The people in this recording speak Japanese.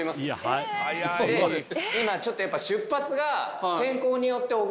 今ちょっとやっぱ出発が。